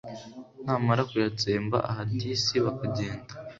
namara kuyatsemba ah disi bakagenda